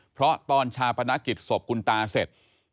เพราะตอนชาปนกิจศพคุณตาเสร็จ